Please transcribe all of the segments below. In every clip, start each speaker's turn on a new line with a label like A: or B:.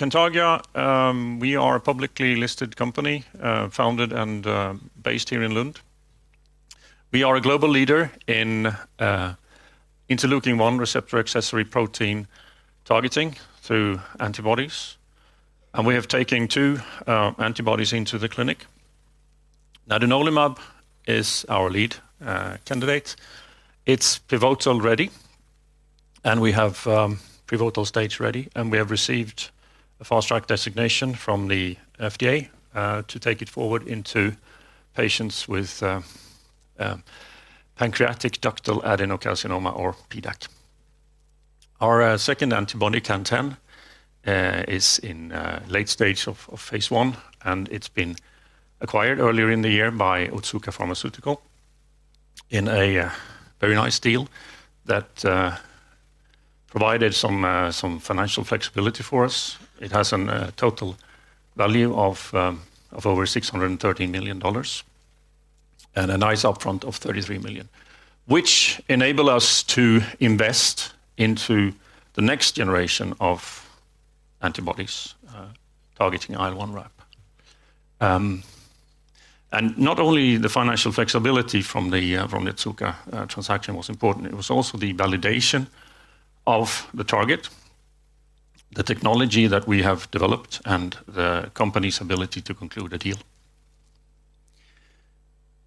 A: Cantargia, we are a publicly listed company, founded and based here in Lund. We are a global leader in interleukin-1 receptor accessory protein targeting through antibodies, and we have taken two antibodies into the clinic. Now, nadunolimab is our lead candidate. It's pivotal ready, and we have pivotal stage ready, and we have received a fast-track designation from the FDA, to take it forward into patients with pancreatic ductal adenocarcinoma, or PDAC. Our second antibody CAN10 is in late stage of phase I, and it's been acquired earlier in the year by Otsuka Pharmaceutical in a very nice deal that provided some financial flexibility for us. It has a total value of over $613 million and a nice upfront of $33 million, which enables us to invest into the next generation of antibodies, targeting IL1RAP. Not only the financial flexibility from the Otsuka transaction was important, it was also the validation of the target, the technology that we have developed, and the company's ability to conclude a deal.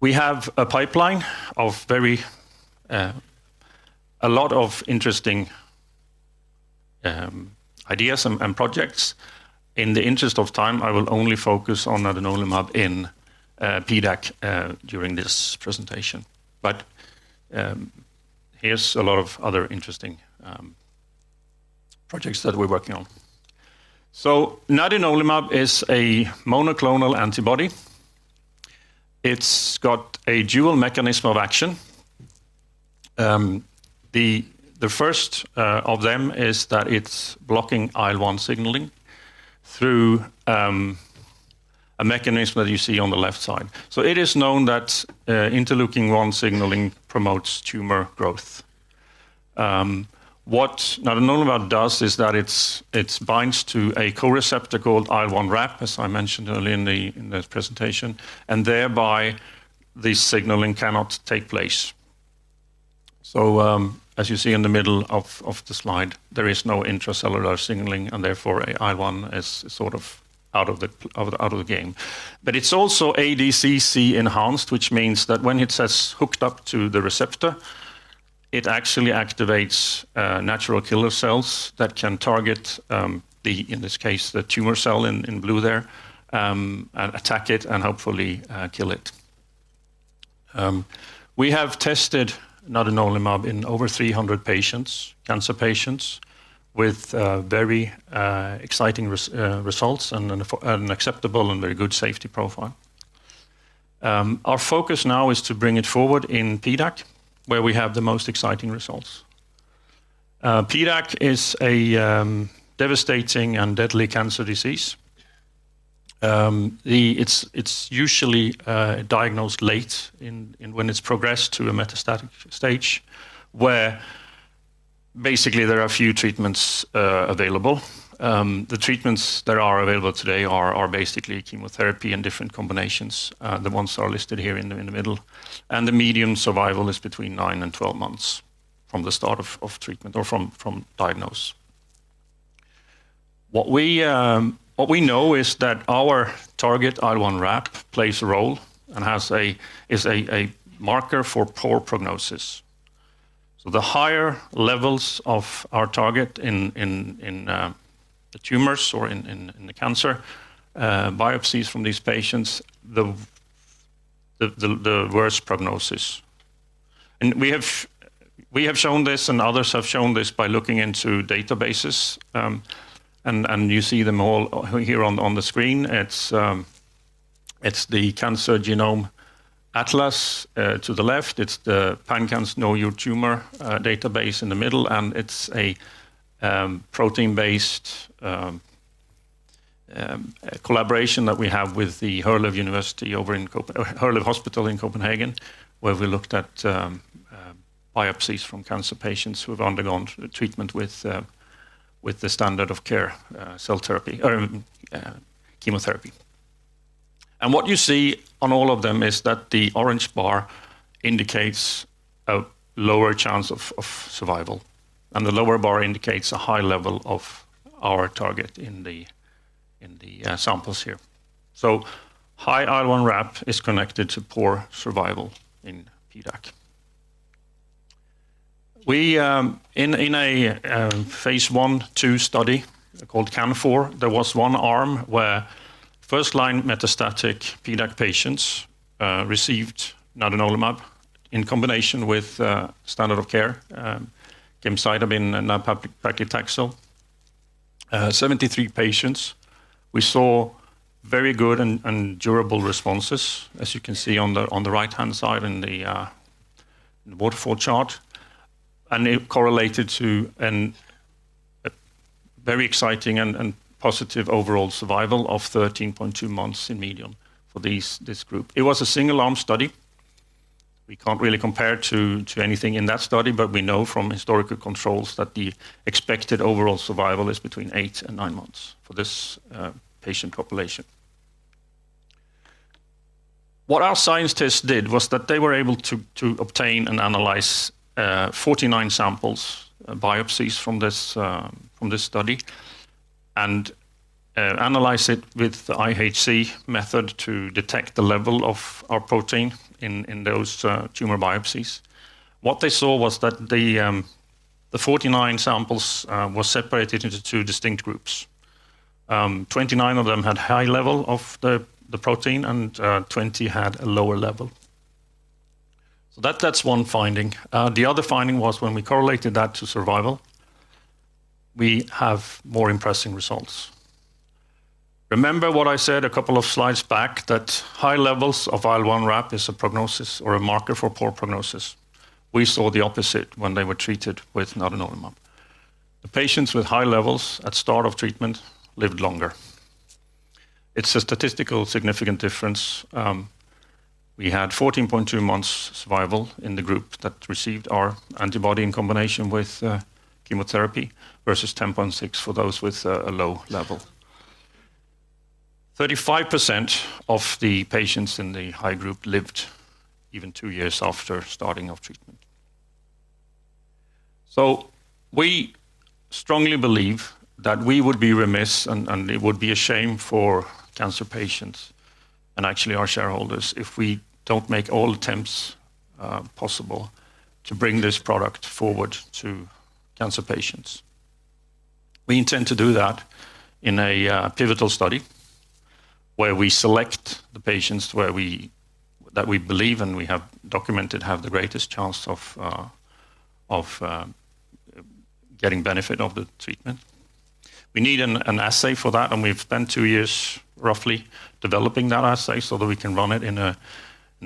A: We have a pipeline of very, a lot of interesting ideas and projects. In the interest of time, I will only focus on the nadunolimab in PDAC during this presentation. Here's a lot of other interesting projects that we're working on. Nadunolimab is a monoclonal antibody. It's got a dual mechanism of action. The first of them is that it's blocking IL1 signaling through a mechanism that you see on the left side. It is known that interleukin-1 signaling promotes tumor growth. What nadunolimab does is that it binds to a co-receptor called IL1RAP, as I mentioned earlier in the presentation, and thereby this signaling cannot take place. As you see in the middle of the slide, there is no intracellular signaling, and therefore IL1 is sort of out of the game. It is also ADCC enhanced, which means that when it is hooked up to the receptor, it actually activates natural killer cells that can target, in this case, the tumor cell in blue there, and attack it and hopefully kill it. We have tested nadunolimab in over 300 cancer patients, with very exciting results and an acceptable and very good safety profile. Our focus now is to bring it forward in PDAC, where we have the most exciting results. PDAC is a devastating and deadly cancer disease. It's usually diagnosed late when it's progressed to a metastatic stage where basically there are few treatments available. The treatments that are available today are basically chemotherapy and different combinations. The ones that are listed here in the middle, and the median survival is between nine and 12 months from the start of treatment or from diagnosed. What we know is that our target IL1RAP plays a role and is a marker for poor prognosis. The higher levels of our target in the tumors or in the cancer biopsies from these patients, the worse prognosis. We have shown this and others have shown this by looking into databases, and you see them all here on the screen. It's the cancer genome atlas, to the left. It's the Pan-Cancer Proteome tumor database in the middle, and it's a protein-based collaboration that we have with the Herlev University over in Herlev Hospital in Copenhagen, where we looked at biopsies from cancer patients who have undergone treatment with the standard of care, cell therapy or chemotherapy. What you see on all of them is that the orange bar indicates a lower chance of survival, and the lower bar indicates a high level of our target in the samples here. High IL1RAP is connected to poor survival in PDAC. We, in a phase I/II study called CAN04, there was one arm where first line metastatic PDAC patients received nadunolimab in combination with standard of care, gemcitabine and nab-paclitaxel. 73 patients, we saw very good and, and durable responses, as you can see on the, on the right hand side in the, in the waterfall chart, and it correlated to an, a very exciting and, and positive overall survival of 13.2 months in median for these, this group. It was a single arm study. We can't really compare to, to anything in that study, but we know from historical controls that the expected overall survival is between eight and nine months for this, patient population. What our scientists did was that they were able to, to obtain and analyze, 49 samples, biopsies from this, from this study and, analyze it with the IHC method to detect the level of our protein in, in those, tumor biopsies. What they saw was that the, the 49 samples, were separated into two distinct groups. 29 of them had high level of the, the protein and, 20 had a lower level. That, that's one finding. The other finding was when we correlated that to survival, we have more impressive results. Remember what I said a couple of slides back, that high levels of IL1RAP is a prognosis or a marker for poor prognosis. We saw the opposite when they were treated with nadunolimab. The patients with high levels at start of treatment lived longer. It's a statistically significant difference. We had 14.2 months survival in the group that received our antibody in combination with chemotherapy versus 10.6 for those with a low level. 35% of the patients in the high group lived even two years after starting of treatment. We strongly believe that we would be remiss, and it would be a shame for cancer patients and actually our shareholders if we do not make all attempts possible to bring this product forward to cancer patients. We intend to do that in a pivotal study where we select the patients that we believe and we have documented have the greatest chance of getting benefit of the treatment. We need an assay for that, and we have spent two years roughly developing that assay so that we can run it in a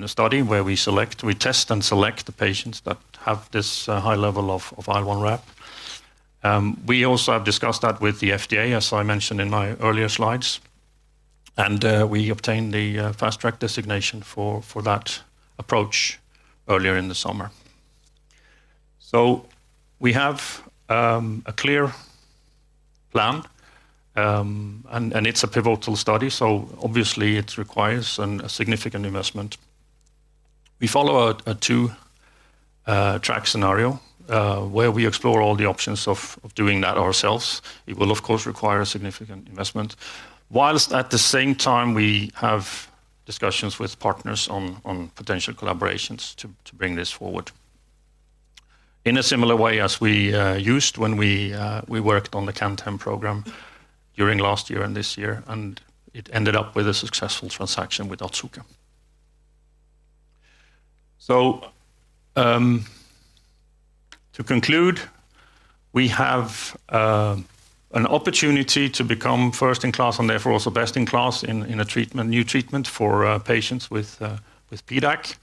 A: study where we test and select the patients that have this high level of IL1RAP. We also have discussed that with the FDA, as I mentioned in my earlier slides, and we obtained the fast-track designation for that approach earlier in the summer. We have a clear plan, and it's a pivotal study. Obviously it requires a significant investment. We follow a two-track scenario, where we explore all the options of doing that ourselves. It will of course require a significant investment whilst at the same time we have discussions with partners on potential collaborations to bring this forward in a similar way as we used when we worked on the CAN10 program during last year and this year, and it ended up with a successful transaction with Otsuka. To conclude, we have an opportunity to become first in class and therefore also best in class in a new treatment for patients with PDAC.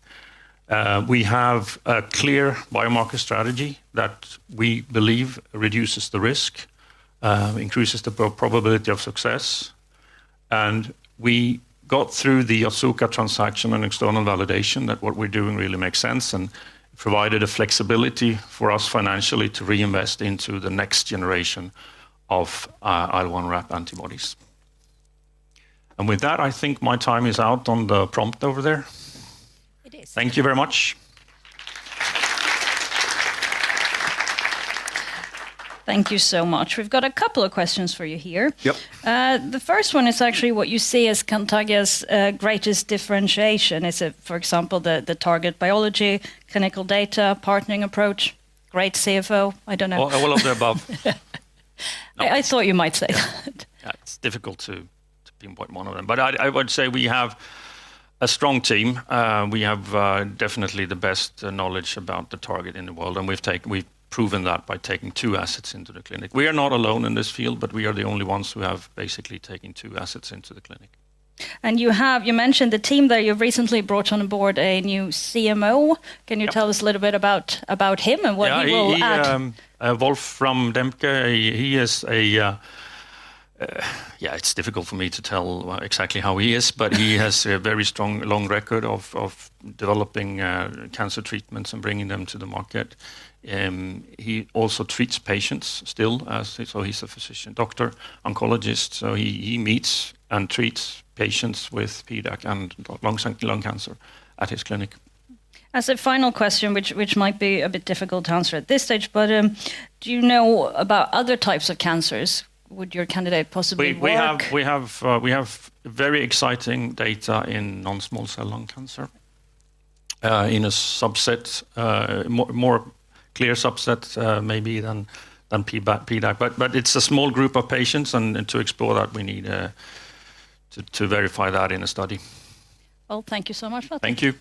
A: We have a clear biomarker strategy that we believe reduces the risk, increases the probability of success, and we got through the Otsuka transaction and external validation that what we're doing really makes sense and provided a flexibility for us financially to reinvest into the next generation of IL1RAP antibodies. With that, I think my time is out on the prompt over there. It is. Thank you very much. Thank you so much. We've got a couple of questions for you here. Yep. The first one is actually what you see as Cantargia's greatest differentiation. Is it, for example, the target biology, clinical data, partnering approach, great CFO? I don't know. All of the above. I thought you might say that. Yeah, it's difficult to pinpoint one of them, but I would say we have a strong team. We have definitely the best knowledge about the target in the world, and we've proven that by taking two assets into the clinic. We are not alone in this field, but we are the only ones who have basically taken two assets into the clinic. You mentioned the team that you've recently brought on board a new CMO. Can you tell us a little bit about him and what he will add? Yeah, Wolfram Dempke. He is a, yeah, it's difficult for me to tell exactly how he is, but he has a very strong long record of developing cancer treatments and bringing them to the market. He also treats patients still as, so he's a physician, doctor, oncologist. He meets and treats patients with PDAC and lung cancer at his clinic. As a final question, which might be a bit difficult to answer at this stage, but do you know about other types of cancers? Would your candidate possibly work with? We have very exciting data in non-small cell lung cancer, in a subset, more clear subset, maybe than PDAC, but it's a small group of patients and to explore that, we need to verify that in a study. Thank you so much for that. Thank you.